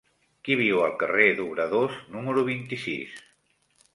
Qui viu al carrer d'Obradors número vint-i-sis?